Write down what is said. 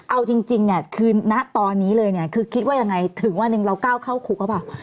เอาจริงเนี่ยคือณตอนนี้เลยเนี่ยคือคิดว่ายังไงถึงวันหนึ่งเราก้าวเข้าคุกหรือเปล่า